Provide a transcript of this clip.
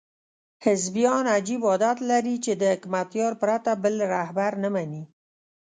حزبیان عجیب عادت لري چې د حکمتیار پرته بل رهبر نه مني.